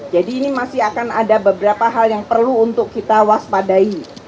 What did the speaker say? jadi ini masih akan ada beberapa hal yang perlu untuk kita waspadai